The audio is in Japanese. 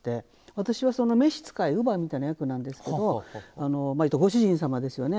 私は召使い乳母みたいな役なんですけど言うたらご主人様ですよね。